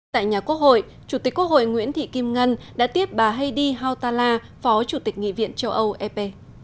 tại nhà quốc hội chủ tịch quốc hội nguyễn thị kim ngân đã tiếp bà heidi hautala phó chủ tịch nghị viện châu âu ep